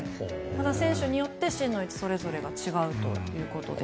選手によって芯の位置がそれぞれ違うということです。